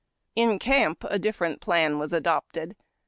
179 In camp, a different plan was adopted.